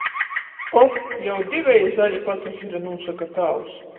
"O, jau diveji zali pasažiri," nūsoka tāvs.